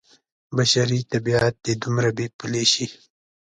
بشري طبعیت دې دومره بې پولې شي.